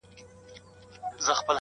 چي غوږونو ته مي شرنګ د پایل راسي-